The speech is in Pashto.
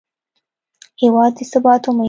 هېواد د ثبات امید دی.